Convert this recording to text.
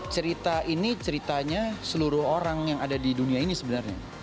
cerita ini ceritanya seluruh orang yang ada di dunia ini sebenarnya